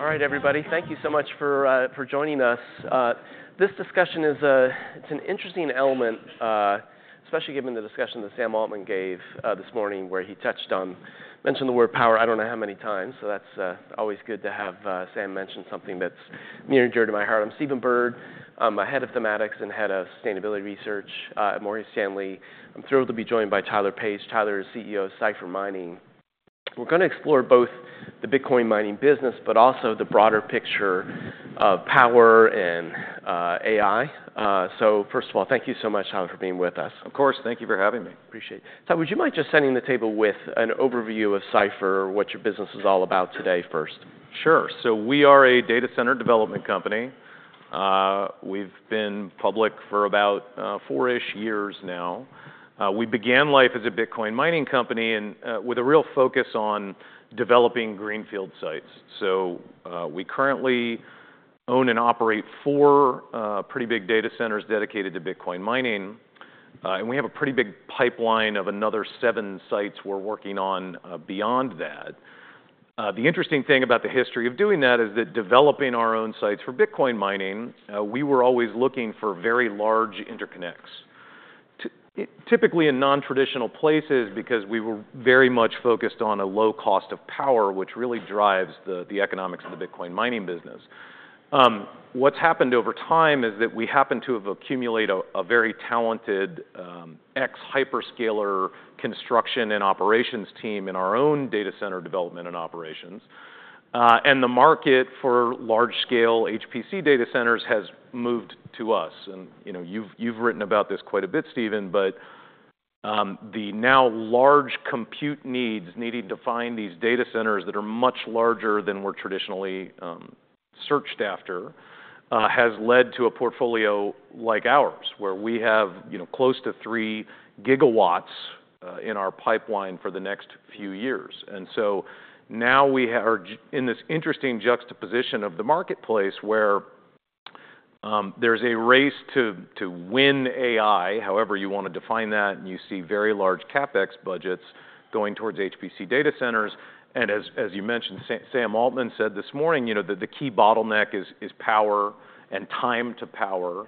All right, everybody. Thank you so much for joining us. This discussion is an interesting element, especially given the discussion that Sam Altman gave this morning where he touched on, mentioned the word power I don't know how many times. So that's always good to have Sam mention something that's near and dear to my heart. I'm Stephen Byrd. I'm the head of thematics and head of sustainability research at Morgan Stanley. I'm thrilled to be joined by Tyler Page. Tyler is CEO of Cipher Mining. We're going to explore both the Bitcoin mining business, but also the broader picture of power and AI. So first of all, thank you so much, Tyler, for being with us. Of course. Thank you for having me. Appreciate it. Tyler, would you mind just setting the table with an overview of Cipher, what your business is all about today first? Sure. We are a data center development company. We've been public for about four-ish years now. We began life as a Bitcoin mining company with a real focus on developing greenfield sites, so we currently own and operate four pretty big data centers dedicated to Bitcoin mining, and we have a pretty big pipeline of another seven sites we're working on beyond that. The interesting thing about the history of doing that is that developing our own sites for Bitcoin mining, we were always looking for very large interconnects, typically in nontraditional places because we were very much focused on a low cost of power, which really drives the economics of the Bitcoin mining business. What's happened over time is that we happen to have accumulated a very talented ex-hyperscaler construction and operations team in our own data center development and operations. The market for large-scale HPC data centers has moved to us. You've written about this quite a bit, Stephen, but the now large compute needs needing to find these data centers that are much larger than were traditionally searched after has led to a portfolio like ours, where we have close to three gigawatts in our pipeline for the next few years. So now we are in this interesting juxtaposition of the marketplace where there's a race to win AI, however you want to define that. You see very large CapEx budgets going towards HPC data centers. As you mentioned, Sam Altman said this morning, the key bottleneck is power and time to power.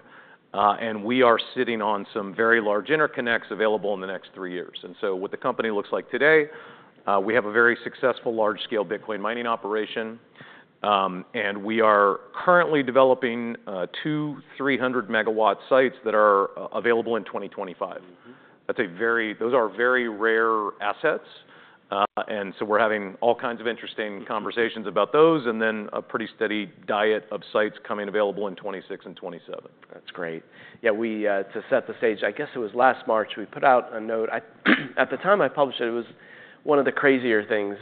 We are sitting on some very large interconnects available in the next three years. And so what the company looks like today, we have a very successful large-scale Bitcoin mining operation. And we are currently developing two 300-MW sites that are available in 2025. Those are very rare assets. And so we're having all kinds of interesting conversations about those. And then a pretty steady diet of sites coming available in 2026 and 2027. That's great. Yeah, to set the stage, I guess it was last March we put out a note. At the time I published it, it was one of the crazier things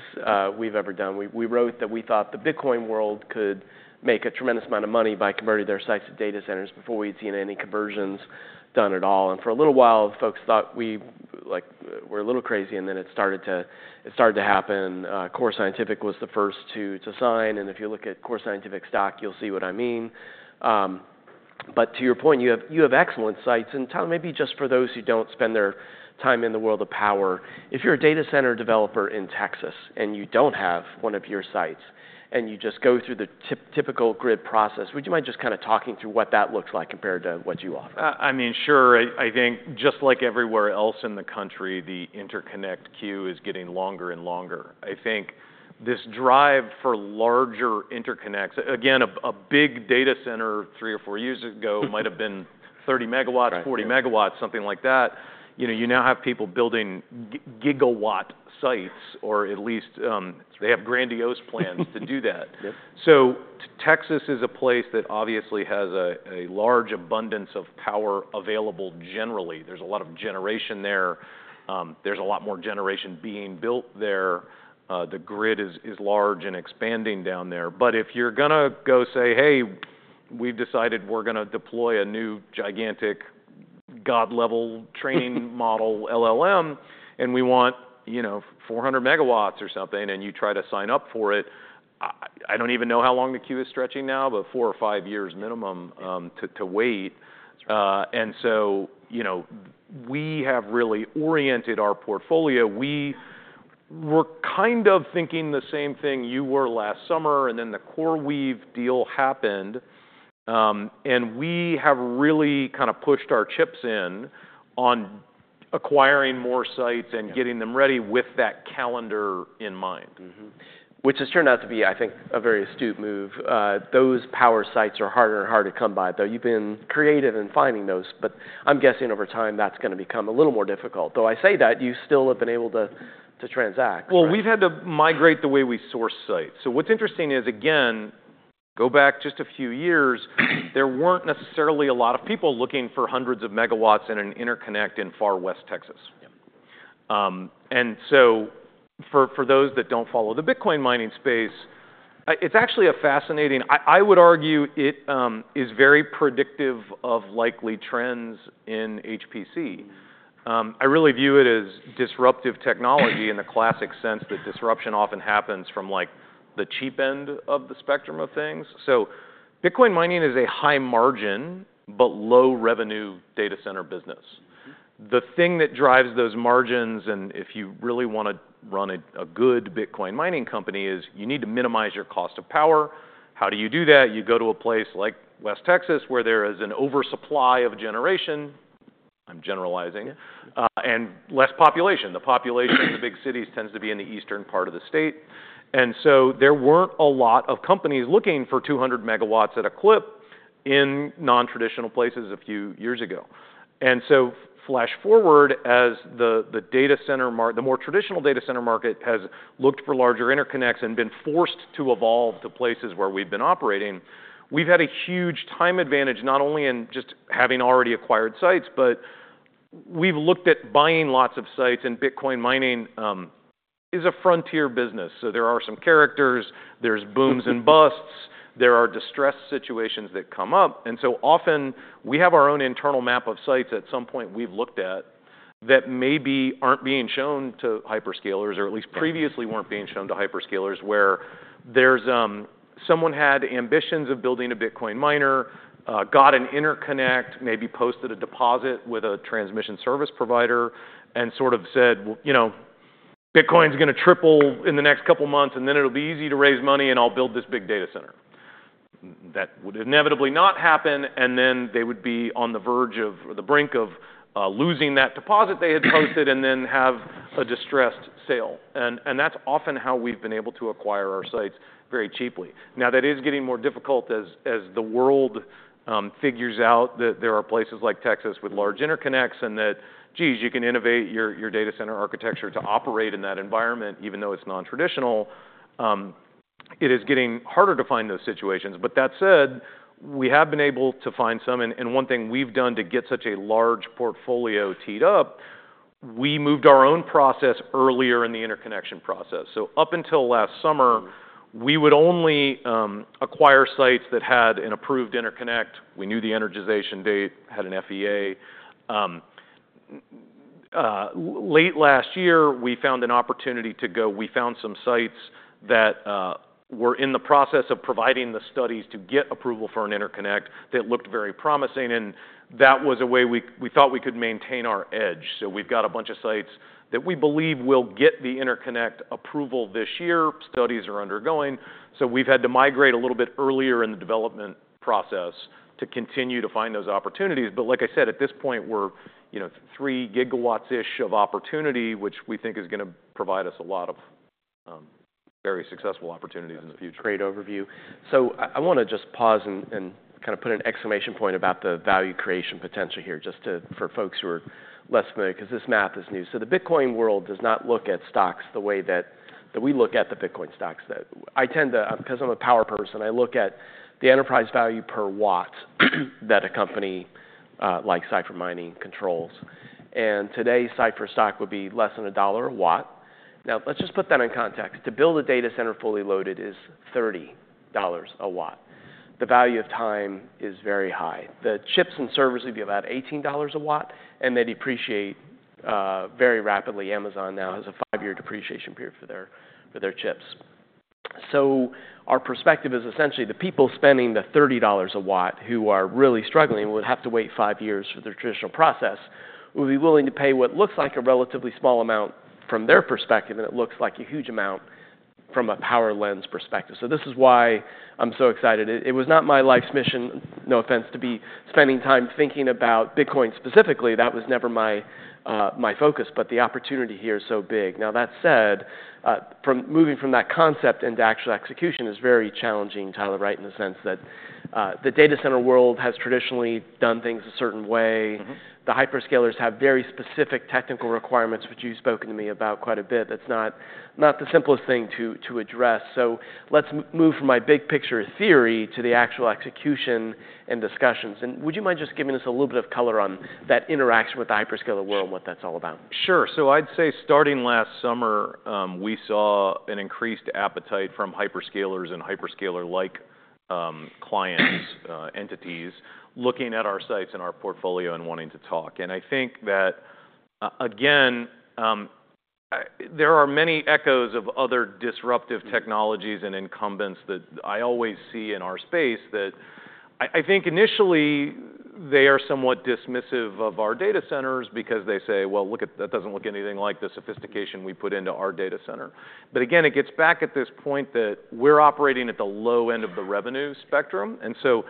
we've ever done. We wrote that we thought the Bitcoin world could make a tremendous amount of money by converting their sites to data centers before we had seen any conversions done at all. And for a little while, folks thought we were a little crazy. And then it started to happen. Core Scientific was the first to sign. And if you look at Core Scientific stock, you'll see what I mean. But to your point, you have excellent sites. Tyler, maybe just for those who don't spend their time in the world of power, if you're a data center developer in Texas and you don't have one of your sites and you just go through the typical grid process, would you mind just kind of talking through what that looks like compared to what you offer? I mean, sure. I think just like everywhere else in the country, the interconnect queue is getting longer and longer. I think this drive for larger interconnects, again, a big data center three or four years ago might have been 30 MW, 40 MW, something like that. You now have people building gigawatt sites, or at least they have grandiose plans to do that, so Texas is a place that obviously has a large abundance of power available generally. There's a lot of generation there. There's a lot more generation being built there. The grid is large and expanding down there. But if you're going to go say, hey, we've decided we're going to deploy a new gigantic God-level training model, LLM, and we want 400 MW or something, and you try to sign up for it, I don't even know how long the queue is stretching now, but four or five years minimum to wait. And so we have really oriented our portfolio. We were kind of thinking the same thing you were last summer. And then the CoreWeave deal happened. And we have really kind of pushed our chips in on acquiring more sites and getting them ready with that calendar in mind. Which has turned out to be, I think, a very astute move. Those power sites are harder and harder to come by, though. You've been creative in finding those. But I'm guessing over time that's going to become a little more difficult. Though I say that, you still have been able to transact. We've had to migrate the way we source sites. What's interesting is, again, go back just a few years, there weren't necessarily a lot of people looking for hundreds of megawatts in an interconnect in far West Texas. For those that don't follow the Bitcoin mining space, it's actually a fascinating. I would argue it is very predictive of likely trends in HPC. I really view it as disruptive technology in the classic sense that disruption often happens from the cheap end of the spectrum of things. Bitcoin mining is a high-margin but low-revenue data center business. The thing that drives those margins, and if you really want to run a good Bitcoin mining company, is you need to minimize your cost of power. How do you do that? You go to a place like West Texas where there is an oversupply of generation. I'm generalizing, and less population. The population in the big cities tends to be in the eastern part of the state, and so there weren't a lot of companies looking for 200 MW at a clip in nontraditional places a few years ago, and so flash forward as the more traditional data center market has looked for larger interconnects and been forced to evolve to places where we've been operating. We've had a huge time advantage not only in just having already acquired sites, but we've looked at buying lots of sites, and Bitcoin mining is a frontier business, so there are some characters. There's booms and busts. There are distress situations that come up. And so often we have our own internal map of sites at some point we've looked at that maybe aren't being shown to hyperscalers, or at least previously weren't being shown to hyperscalers, where someone had ambitions of building a Bitcoin miner, got an interconnect, maybe posted a deposit with a transmission service provider, and sort of said, "Bitcoin's going to triple in the next couple of months, and then it'll be easy to raise money, and I'll build this big data center." That would inevitably not happen. And then they would be on the brink of losing that deposit they had posted and then have a distressed sale. And that's often how we've been able to acquire our sites very cheaply. Now, that is getting more difficult as the world figures out that there are places like Texas with large interconnects and that, geez, you can innovate your data center architecture to operate in that environment, even though it's nontraditional. It is getting harder to find those situations. But that said, we have been able to find some. And one thing we've done to get such a large portfolio teed up, we moved our own process earlier in the interconnection process. So up until last summer, we would only acquire sites that had an approved interconnect. We knew the energization date, had an FSA. Late last year, we found an opportunity to go. We found some sites that were in the process of providing the studies to get approval for an interconnect that looked very promising. And that was a way we thought we could maintain our edge. So we've got a bunch of sites that we believe will get the interconnect approval this year. Studies are undergoing. So we've had to migrate a little bit earlier in the development process to continue to find those opportunities. But like I said, at this point, we're three gigawatts-ish of opportunity, which we think is going to provide us a lot of very successful opportunities in the future. Great overview. So I want to just pause and kind of put an exclamation point about the value creation potential here just for folks who are less familiar, because this math is new. So the Bitcoin world does not look at stocks the way that we look at the Bitcoin stocks. Because I'm a power person, I look at the enterprise value per watt that a company like Cipher Mining controls. And today, Cipher stock would be less than $1 a watt. Now, let's just put that in context. To build a data center fully loaded is $30 a watt. The value of time is very high. The chips and servers would be about $18 a watt, and they depreciate very rapidly. Amazon now has a five-year depreciation period for their chips. Our perspective is essentially the people spending the $30 a watt who are really struggling would have to wait five years for their traditional process, would be willing to pay what looks like a relatively small amount from their perspective, and it looks like a huge amount from a power lens perspective. This is why I'm so excited. It was not my life's mission, no offense, to be spending time thinking about Bitcoin specifically. That was never my focus. The opportunity here is so big. Now, that said, moving from that concept into actual execution is very challenging, Tyler, right, in the sense that the data center world has traditionally done things a certain way. The hyperscalers have very specific technical requirements, which you've spoken to me about quite a bit. That's not the simplest thing to address. So let's move from my big picture theory to the actual execution and discussions. And would you mind just giving us a little bit of color on that interaction with the hyperscaler world and what that's all about? Sure. So I'd say starting last summer, we saw an increased appetite from hyperscalers and hyperscaler-like clients, entities, looking at our sites and our portfolio and wanting to talk. And I think that, again, there are many echoes of other disruptive technologies and incumbents that I always see in our space that I think initially they are somewhat dismissive of our data centers because they say, well, look, that doesn't look anything like the sophistication we put into our data center. But again, it gets back to this point that we're operating at the low end of the revenue spectrum. And so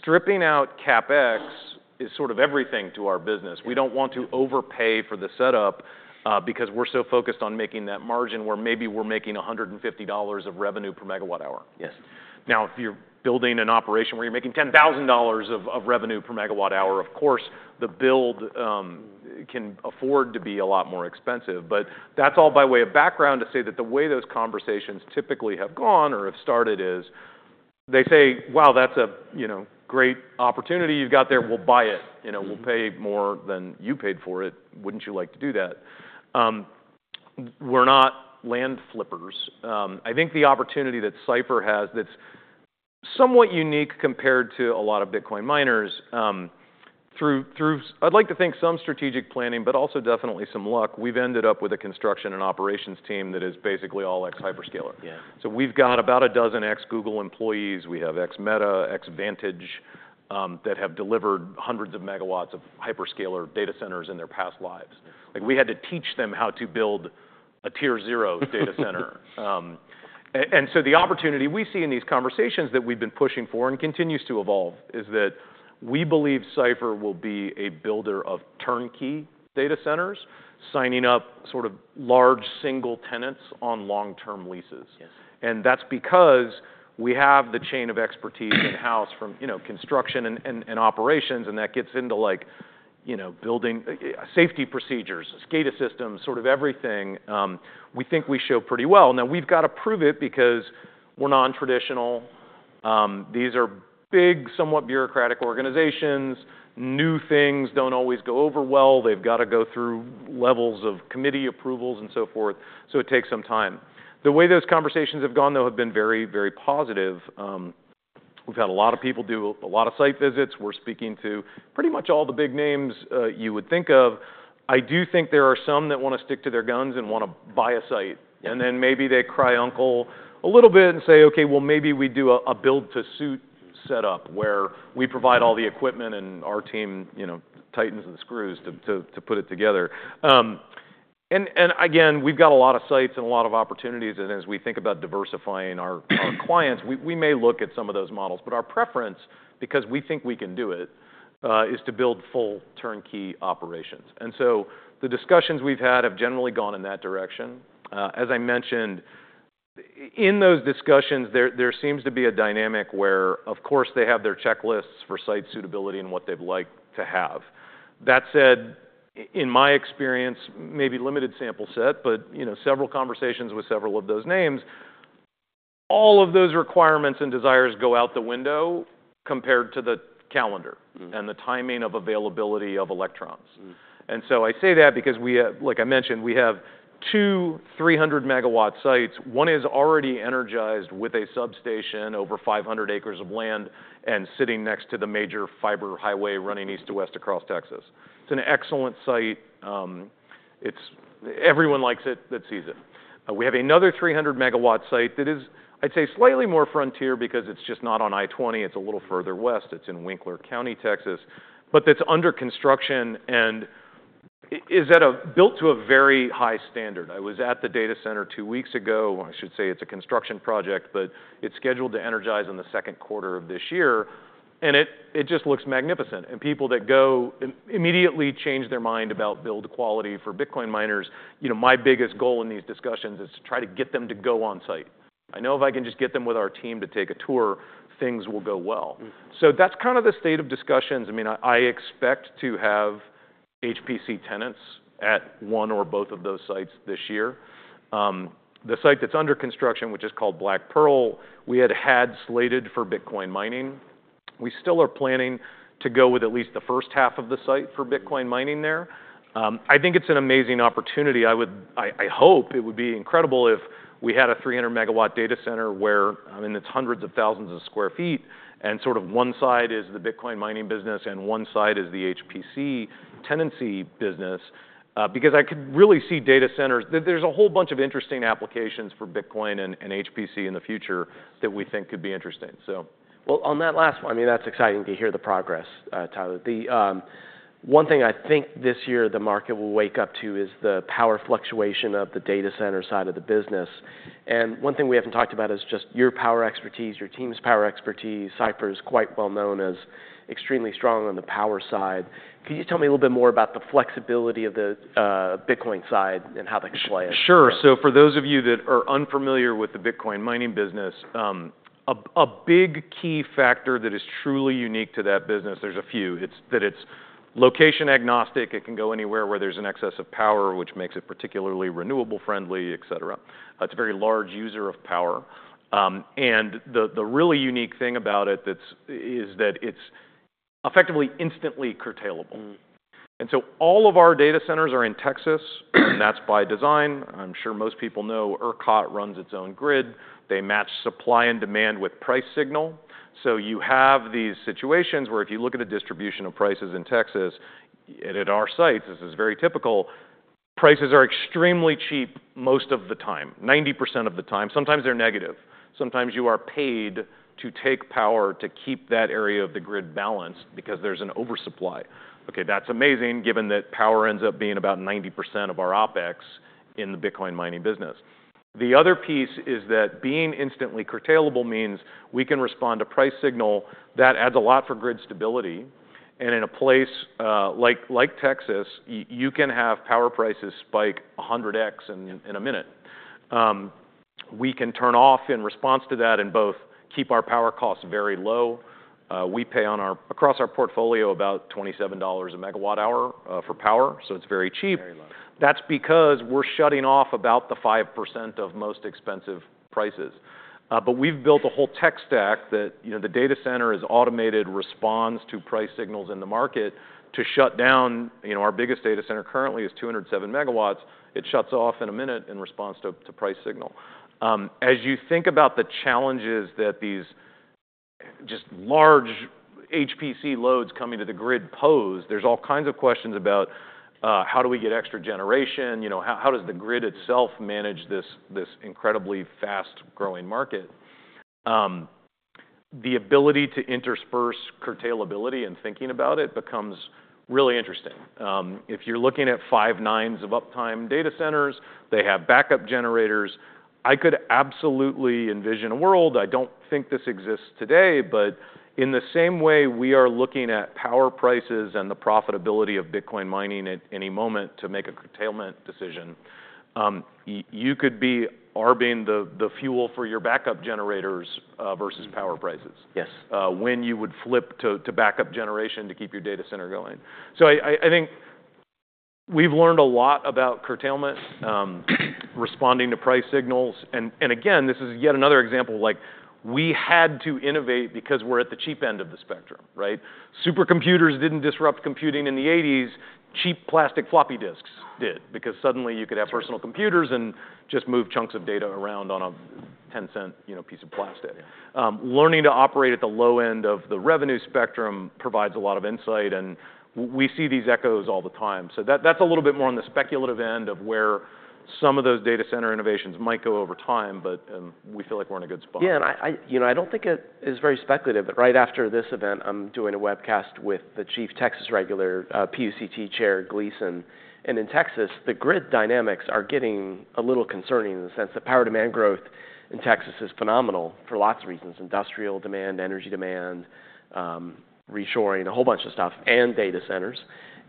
stripping out CapEx is sort of everything to our business. We don't want to overpay for the setup because we're so focused on making that margin where maybe we're making $150 of revenue per megawatt hour. Now, if you're building an operation where you're making $10,000 of revenue per megawatt hour, of course, the build can afford to be a lot more expensive. But that's all by way of background to say that the way those conversations typically have gone or have started is they say, wow, that's a great opportunity you've got there. We'll buy it. We'll pay more than you paid for it. Wouldn't you like to do that? We're not land flippers. I think the opportunity that Cipher has that's somewhat unique compared to a lot of Bitcoin miners through, I'd like to think, some strategic planning, but also definitely some luck. We've ended up with a construction and operations team that is basically all ex-hyperscaler. So we've got about a dozen ex-Google employees. We have ex-Meta, ex-Vantage that have delivered hundreds of megawatt of hyperscaler data centers in their past lives. We had to teach them how to build a Tier 0 data center, and so the opportunity we see in these conversations that we've been pushing for and continues to evolve is that we believe Cipher will be a builder of turnkey data centers, signing up sort of large single tenants on long-term leases, and that's because we have the chain of expertise in-house from construction and operations, and that gets into building safety procedures, SCADA systems, sort of everything. We think we show pretty well. Now, we've got to prove it because we're nontraditional. These are big, somewhat bureaucratic organizations. New things don't always go over well. They've got to go through levels of committee approvals and so forth, so it takes some time. The way those conversations have gone, though, have been very, very positive. We've had a lot of people do a lot of site visits. We're speaking to pretty much all the big names you would think of. I do think there are some that want to stick to their guns and want to buy a site, and then maybe they cry uncle a little bit and say, OK, well, maybe we do a build-to-suit setup where we provide all the equipment and our team tightens the screws to put it together, and again, we've got a lot of sites and a lot of opportunities, and as we think about diversifying our clients, we may look at some of those models, but our preference, because we think we can do it, is to build full turnkey operations, and so the discussions we've had have generally gone in that direction. As I mentioned, in those discussions, there seems to be a dynamic where, of course, they have their checklists for site suitability and what they'd like to have. That said, in my experience, maybe limited sample set, but several conversations with several of those names, all of those requirements and desires go out the window compared to the calendar and the timing of availability of electrons. And so I say that because, like I mentioned, we have two 300-MW sites. One is already energized with a substation over 500 acres of land and sitting next to the major fiber highway running east to west across Texas. It's an excellent site. Everyone likes it that sees it. We have another 300-MW site that is, I'd say, slightly more frontier because it's just not on I-20. It's a little further west. It's in Winkler County, Texas, but that's under construction and is built to a very high standard. I was at the data center two weeks ago. I should say it's a construction project, but it's scheduled to energize in the second quarter of this year, and it just looks magnificent, and people that go immediately change their mind about build quality for Bitcoin miners. My biggest goal in these discussions is to try to get them to go on site. I know if I can just get them with our team to take a tour, things will go well, so that's kind of the state of discussions. I mean, I expect to have HPC tenants at one or both of those sites this year. The site that's under construction, which is called Black Pearl, we had had slated for Bitcoin mining. We still are planning to go with at least the first half of the site for Bitcoin mining there. I think it's an amazing opportunity. I hope it would be incredible if we had a 300-MW data center where it's hundreds of thousands of sq ft and sort of one side is the Bitcoin mining business and one side is the HPC tenancy business, because I could really see data centers. There's a whole bunch of interesting applications for Bitcoin and HPC in the future that we think could be interesting. Well, on that last one, I mean, that's exciting to hear the progress, Tyler. One thing I think this year the market will wake up to is the power fluctuation of the data center side of the business. And one thing we haven't talked about is just your power expertise, your team's power expertise. Cipher is quite well known as extremely strong on the power side. Could you tell me a little bit more about the flexibility of the Bitcoin side and how that can play out? Sure. So for those of you that are unfamiliar with the Bitcoin mining business, a big key factor that is truly unique to that business, there's a few, it's that it's location agnostic. It can go anywhere where there's an excess of power, which makes it particularly renewable friendly, et cetera. It's a very large user of power. And the really unique thing about it is that it's effectively instantly curtailable. And so all of our data centers are in Texas. And that's by design. I'm sure most people know ERCOT runs its own grid. They match supply and demand with price signal. So you have these situations where if you look at a distribution of prices in Texas and at our sites, this is very typical, prices are extremely cheap most of the time, 90% of the time. Sometimes they're negative. Sometimes you are paid to take power to keep that area of the grid balanced because there's an oversupply. OK, that's amazing given that power ends up being about 90% of our OpEx in the Bitcoin mining business. The other piece is that being instantly curtailable means we can respond to price signal. That adds a lot for grid stability, and in a place like Texas, you can have power prices spike 100x in a minute. We can turn off in response to that and both keep our power costs very low. We pay across our portfolio about $27 a megawatt hour for power. So it's very cheap. That's because we're shutting off about the 5% of most expensive prices, but we've built a whole tech stack that the data center is automated, responds to price signals in the market to shut down. Our biggest data center currently is 207 MW. It shuts off in a minute in response to price signal. As you think about the challenges that these just large HPC loads coming to the grid pose, there's all kinds of questions about how do we get extra generation? How does the grid itself manage this incredibly fast-growing market? The ability to intersperse curtailability and thinking about it becomes really interesting. If you're looking at five nines of uptime data centers, they have backup generators. I could absolutely envision a world. I don't think this exists today. But in the same way, we are looking at power prices and the profitability of Bitcoin mining at any moment to make a curtailment decision. You could be arbing the fuel for your backup generators versus power prices when you would flip to backup generation to keep your data center going. So I think we've learned a lot about curtailment, responding to price signals. And again, this is yet another example. We had to innovate because we're at the cheap end of the spectrum. Supercomputers didn't disrupt computing in the 1980s. Cheap plastic floppy disks did because suddenly you could have personal computers and just move chunks of data around on a 10-cent piece of plastic. Learning to operate at the low end of the revenue spectrum provides a lot of insight. And we see these echoes all the time. So that's a little bit more on the speculative end of where some of those data center innovations might go over time. But we feel like we're in a good spot. Yeah, and I don't think it is very speculative. But right after this event, I'm doing a webcast with the Chief Texas Regulator PUCT Chair, Gleeson. In Texas, the grid dynamics are getting a little concerning in the sense that power demand growth in Texas is phenomenal for lots of reasons: industrial demand, energy demand, reshoring, a whole bunch of stuff, and data centers.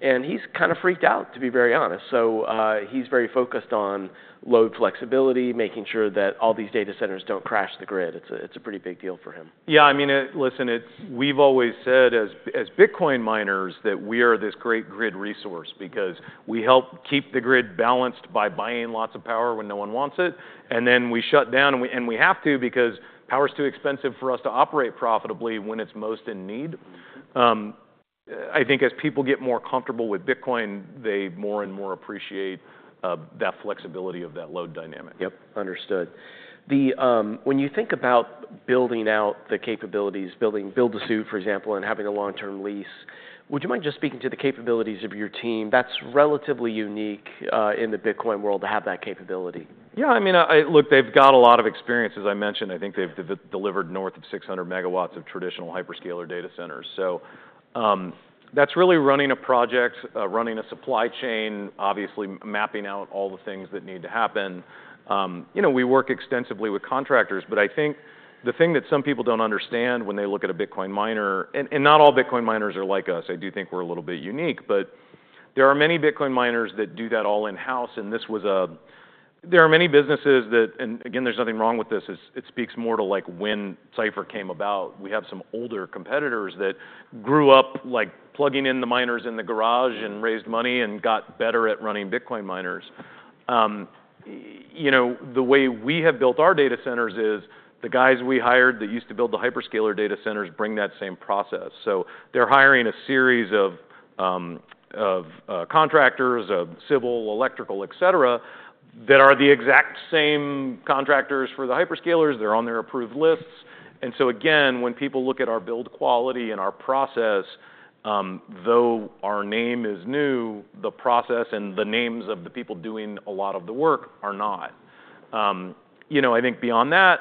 He's kind of freaked out, to be very honest. He's very focused on load flexibility, making sure that all these data centers don't crash the grid. It's a pretty big deal for him. Yeah. I mean, listen, we've always said as Bitcoin miners that we are this great grid resource because we help keep the grid balanced by buying lots of power when no one wants it, and then we shut down. We have to because power is too expensive for us to operate profitably when it's most in need. I think as people get more comfortable with Bitcoin, they more and more appreciate that flexibility of that load dynamic. Yep. Understood. When you think about building out the capabilities, building build-to-suit, for example, and having a long-term lease, would you mind just speaking to the capabilities of your team? That's relatively unique in the Bitcoin world to have that capability. Yeah. I mean, look, they've got a lot of experience. As I mentioned, I think they've delivered north of 600 MW of traditional hyperscaler data centers. So that's really running a project, running a supply chain, obviously mapping out all the things that need to happen. We work extensively with contractors. But I think the thing that some people don't understand when they look at a Bitcoin miner, and not all Bitcoin miners are like us. I do think we're a little bit unique. But there are many Bitcoin miners that do that all in-house. And there are many businesses that, and again, there's nothing wrong with this. It speaks more to when Cipher came about. We have some older competitors that grew up plugging in the miners in the garage and raised money and got better at running Bitcoin miners. The way we have built our data centers is the guys we hired that used to build the hyperscaler data centers bring that same process, so they're hiring a series of contractors, of civil, electrical, et cetera, that are the exact same contractors for the hyperscalers. They're on their approved lists, and so again, when people look at our build quality and our process, though our name is new, the process and the names of the people doing a lot of the work are not, I think beyond that,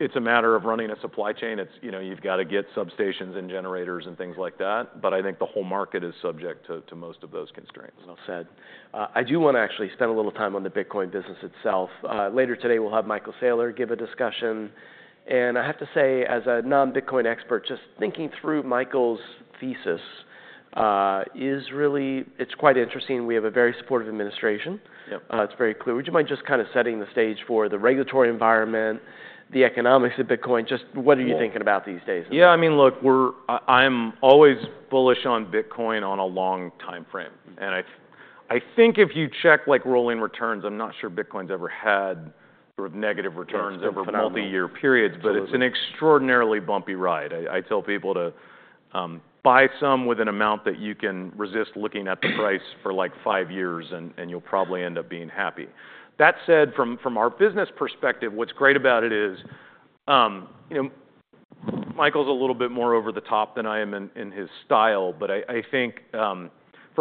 it's a matter of running a supply chain. You've got to get substations and generators and things like that, but I think the whole market is subject to most of those constraints. Well said. I do want to actually spend a little time on the Bitcoin business itself. Later today, we'll have Michael Saylor give a discussion. And I have to say, as a non-Bitcoin expert, just thinking through Michael's thesis is really, it's quite interesting. We have a very supportive administration. It's very clear. Would you mind just kind of setting the stage for the regulatory environment, the economics of Bitcoin? Just what are you thinking about these days? Yeah. I mean, look, I'm always bullish on Bitcoin on a long time frame. And I think if you check rolling returns, I'm not sure Bitcoin's ever had negative returns over multi-year periods. But it's an extraordinarily bumpy ride. I tell people to buy some with an amount that you can resist looking at the price for like five years, and you'll probably end up being happy. That said, from our business perspective, what's great about it is Michael's a little bit more over the top than I am in his style. But I think from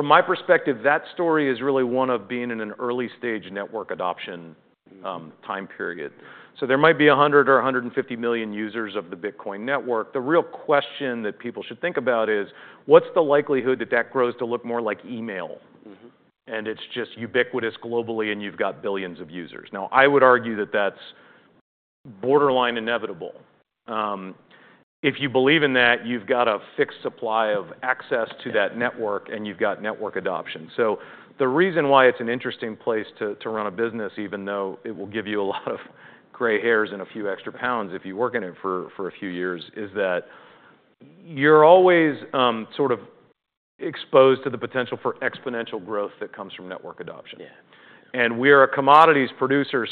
my perspective, that story is really one of being in an early stage network adoption time period. So there might be 100 or 150 million users of the Bitcoin network. The real question that people should think about is, what's the likelihood that that grows to look more like email? It's just ubiquitous globally, and you've got billions of users. Now, I would argue that that's borderline inevitable. If you believe in that, you've got a fixed supply of access to that network, and you've got network adoption. So the reason why it's an interesting place to run a business, even though it will give you a lot of gray hairs and a few extra pounds if you work in it for a few years, is that you're always sort of exposed to the potential for exponential growth that comes from network adoption. And we are a commodities producer.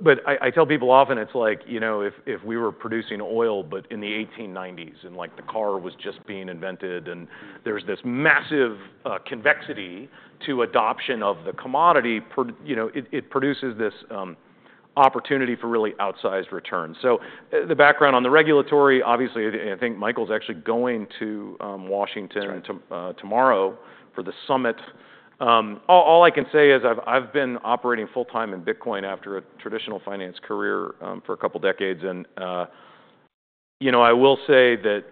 But I tell people often it's like if we were producing oil, but in the 1890s and the car was just being invented and there's this massive convexity to adoption of the commodity, it produces this opportunity for really outsized returns. So the background on the regulatory, obviously, I think Michael's actually going to Washington tomorrow for the summit. All I can say is I've been operating full-time in Bitcoin after a traditional finance career for a couple of decades. And I will say that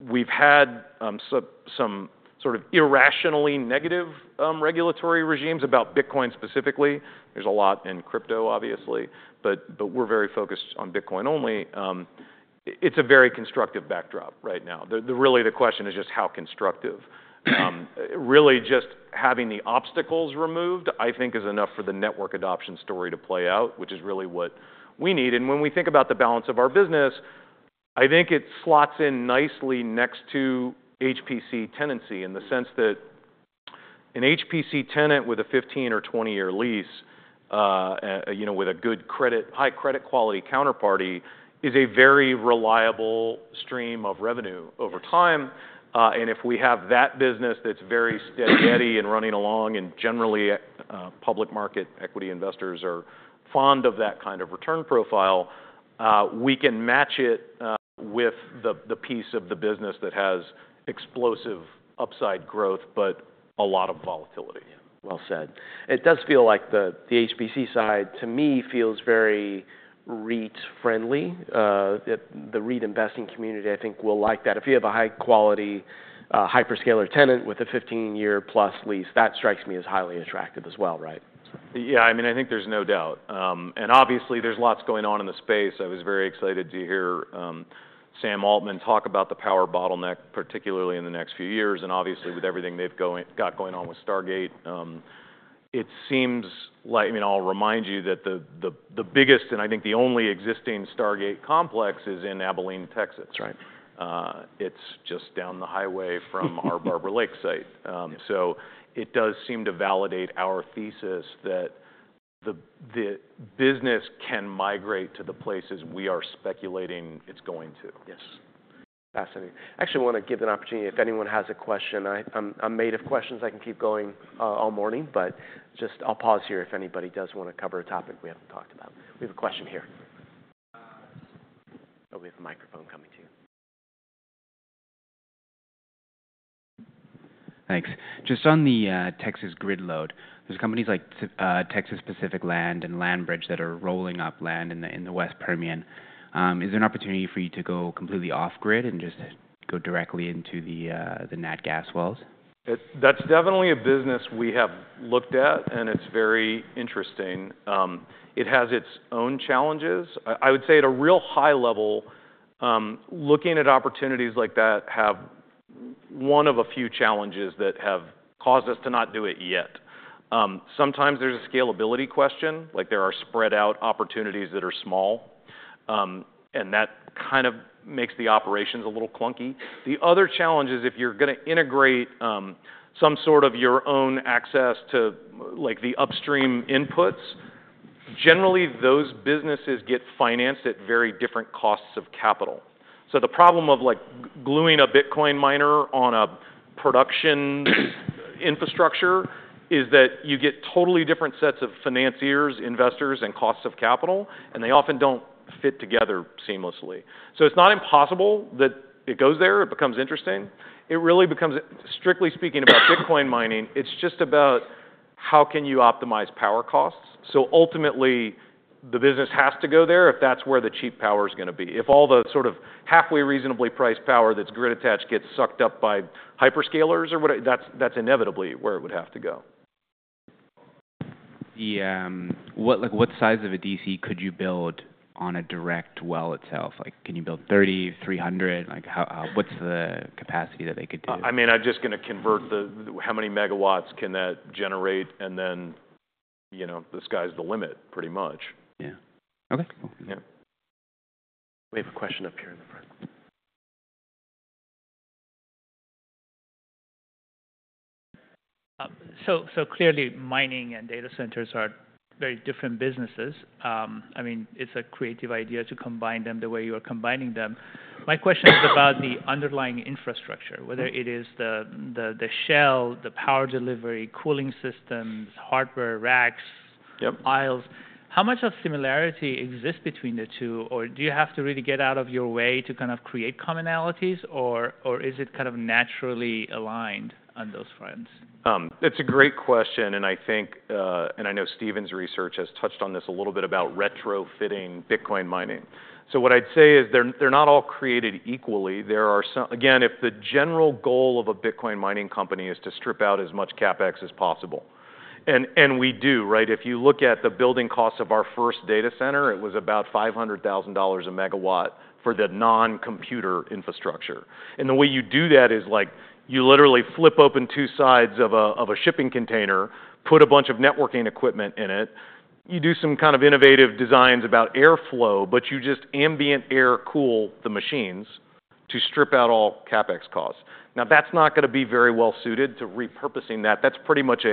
we've had some sort of irrationally negative regulatory regimes about Bitcoin specifically. There's a lot in crypto, obviously. But we're very focused on Bitcoin only. It's a very constructive backdrop right now. Really, the question is just how constructive. Really, just having the obstacles removed, I think, is enough for the network adoption story to play out, which is really what we need. And when we think about the balance of our business, I think it slots in nicely next to HPC tenancy in the sense that an HPC tenant with a 15- or 20-year lease with a good credit, high credit quality counterparty is a very reliable stream of revenue over time. And if we have that business that's very steady and running along and generally public market equity investors are fond of that kind of return profile, we can match it with the piece of the business that has explosive upside growth but a lot of volatility. Well said. It does feel like the HPC side, to me, feels very REIT-friendly. The REIT investing community, I think, will like that. If you have a high-quality hyperscaler tenant with a 15-year plus lease, that strikes me as highly attractive as well, right? Yeah. I mean, I think there's no doubt. And obviously, there's lots going on in the space. I was very excited to hear Sam Altman talk about the power bottleneck, particularly in the next few years. And obviously, with everything they've got going on with Stargate, it seems like, I mean, I'll remind you that the biggest and I think the only existing Stargate complex is in Abilene, Texas. It's just down the highway from our Barber Lake site. So it does seem to validate our thesis that the business can migrate to the places we are speculating it's going to. Yes. Fascinating. Actually, I want to give the opportunity, if anyone has a question. I'm made of questions. I can keep going all morning. But just I'll pause here if anybody does want to cover a topic we haven't talked about. We have a question here. Oh, we have a microphone coming to you. Thanks. Just on the Texas grid load, there's companies like Texas Pacific Land and LandBridge that are rolling up land in the West Permian. Is there an opportunity for you to go completely off-grid and just go directly into the natural gas wells? That's definitely a business we have looked at, and it's very interesting. It has its own challenges. I would say at a real high level, looking at opportunities like that have one of a few challenges that have caused us to not do it yet. Sometimes there's a scalability question. There are spread-out opportunities that are small, and that kind of makes the operations a little clunky. The other challenge is if you're going to integrate some sort of your own access to the upstream inputs, generally those businesses get financed at very different costs of capital. So the problem of gluing a Bitcoin miner on a production infrastructure is that you get totally different sets of financiers, investors, and costs of capital, and they often don't fit together seamlessly, so it's not impossible that it goes there. It becomes interesting. It really becomes, strictly speaking, about Bitcoin mining. It's just about how can you optimize power costs. So ultimately, the business has to go there if that's where the cheap power is going to be. If all the sort of halfway reasonably priced power that's grid-attached gets sucked up by hyperscalers, that's inevitably where it would have to go. What size of a DC could you build on a direct well itself? Can you build 30, 300? What's the capacity that they could do? I mean, I'm just going to convert how many megawatts can that generate, and then the sky's the limit, pretty much. Yeah. OK. Yeah. We have a question up here in the front. So clearly, mining and data centers are very different businesses. I mean, it's a creative idea to combine them the way you are combining them. My question is about the underlying infrastructure, whether it is the shell, the power delivery, cooling systems, hardware, racks, aisles. How much of similarity exists between the two? Or do you have to really get out of your way to kind of create commonalities? Or is it kind of naturally aligned on those fronts? It's a great question, and I think, and I know Stephen's research has touched on this a little bit about retrofitting Bitcoin mining, so what I'd say is they're not all created equally. Again, if the general goal of a Bitcoin mining company is to strip out as much CapEx as possible, and we do, right? If you look at the building costs of our first data center, it was about $500,000 a megawatt for the non-computer infrastructure, and the way you do that is you literally flip open two sides of a shipping container, put a bunch of networking equipment in it. You do some kind of innovative designs about airflow, but you just ambient air cool the machines to strip out all CapEx costs. Now, that's not going to be very well suited to repurposing that. That's pretty much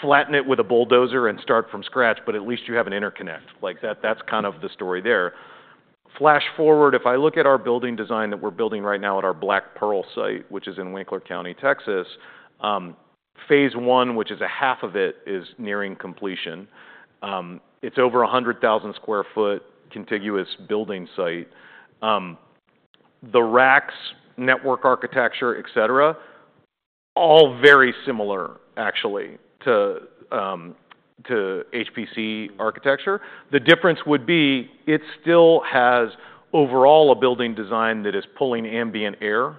flatten it with a bulldozer and start from scratch. But at least you have an interconnect. That's kind of the story there. Flash forward, if I look at our building design that we're building right now at our Black Pearl site, which is in Winkler County, Texas, phase one, which is a half of it, is nearing completion. It's over 100,000 sq ft contiguous building site. The racks, network architecture, et cetera, all very similar, actually, to HPC architecture. The difference would be it still has overall a building design that is pulling ambient air.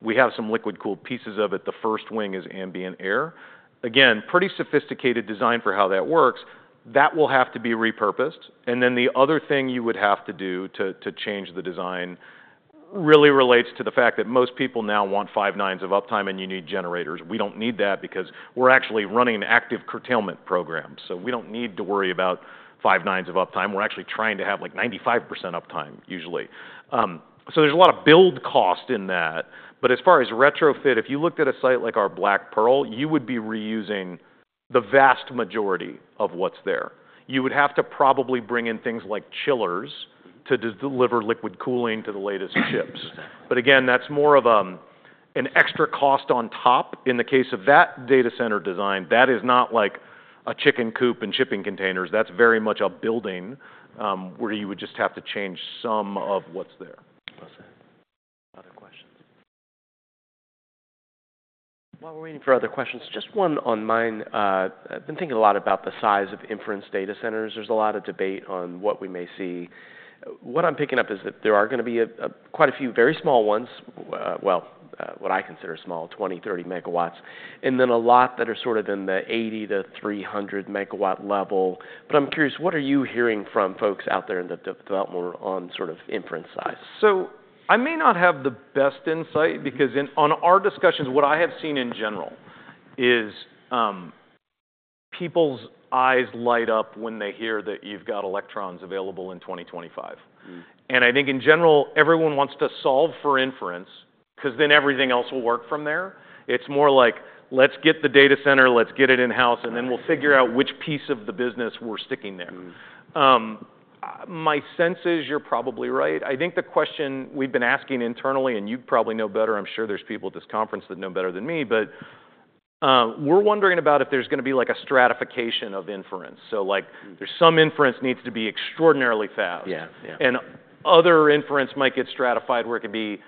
We have some liquid-cooled pieces of it. The first wing is ambient air. Again, pretty sophisticated design for how that works. That will have to be repurposed. And then the other thing you would have to do to change the design really relates to the fact that most people now want five nines of uptime and you need generators. We don't need that because we're actually running active curtailment programs. So we don't need to worry about five nines of uptime. We're actually trying to have like 95% uptime, usually. So there's a lot of build cost in that. But as far as retrofit, if you looked at a site like our Black Pearl, you would be reusing the vast majority of what's there. You would have to probably bring in things like chillers to deliver liquid cooling to the latest chips. But again, that's more of an extra cost on top. In the case of that data center design, that is not like a chicken coop and shipping containers. That's very much a building where you would just have to change some of what's there. Well said. Other questions? While we're waiting for other questions, just one on mine. I've been thinking a lot about the size of inference data centers. There's a lot of debate on what we may see. What I'm picking up is that there are going to be quite a few very small ones, well, what I consider small, 20, 30 MW, and then a lot that are sort of in the 80-300 MW level. But I'm curious, what are you hearing from folks out there in the development on sort of inference size? I may not have the best insight because on our discussions, what I have seen in general is people's eyes light up when they hear that you've got electrons available in 2025. I think in general, everyone wants to solve for inference because then everything else will work from there. It's more like, let's get the data center, let's get it in-house, and then we'll figure out which piece of the business we're sticking there. My sense is you're probably right. I think the question we've been asking internally, and you probably know better, I'm sure there's people at this conference that know better than me, but we're wondering about if there's going to be like a stratification of inference. There's some inference that needs to be extraordinarily fast. Other inference might get stratified where it can be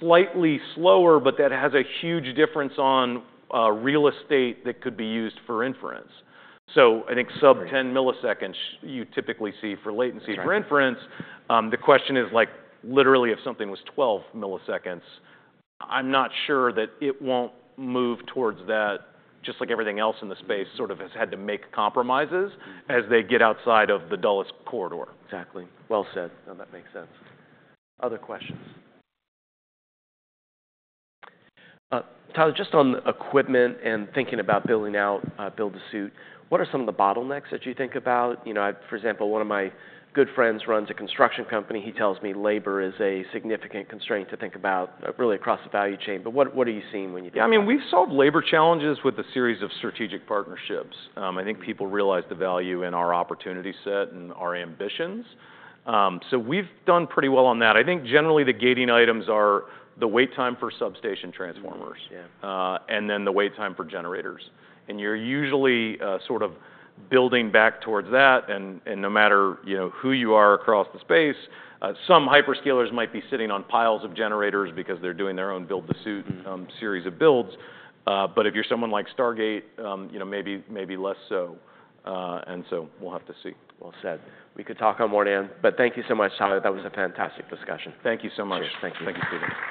slightly slower, but that has a huge difference on real estate that could be used for inference. I think sub-10 milliseconds you typically see for latency for inference. The question is literally if something was 12 milliseconds. I'm not sure that it won't move towards that, just like everything else in the space sort of has had to make compromises as they get outside of the Dulles Corridor. Exactly. Well said. No, that makes sense. Other questions? Tyler, just on equipment and thinking about building out, build-to-suit, what are some of the bottlenecks that you think about? For example, one of my good friends runs a construction company. He tells me labor is a significant constraint to think about really across the value chain. But what are you seeing when you think about it? I mean, we've solved labor challenges with a series of strategic partnerships. I think people realize the value in our opportunity set and our ambitions. So we've done pretty well on that. I think generally the gating items are the wait time for substation transformers and then the wait time for generators. And you're usually sort of building back towards that. And no matter who you are across the space, some hyperscalers might be sitting on piles of generators because they're doing their own build-to-suit series of builds. But if you're someone like Stargate, maybe less so. And so we'll have to see. Well said. We could talk on more now. But thank you so much, Tyler. That was a fantastic discussion. Thank you so much. Cheers. Thank you. Stephen.